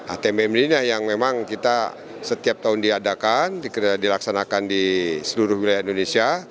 atm ini yang memang kita setiap tahun diadakan dilaksanakan di seluruh wilayah indonesia